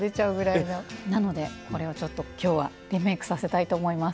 なのでこれをちょっと今日はリメイクさせたいと思います。